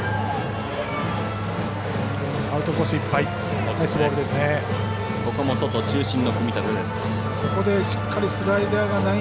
アウトコースいっぱい。